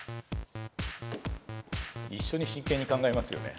一緒に真剣に考えますよね。